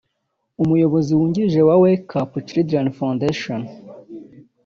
umuyobozi wungirije wa Wake Up Children Foundation